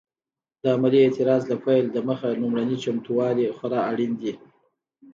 د عملي اعتراض له پیل دمخه لومړني چمتووالي خورا اړین دي.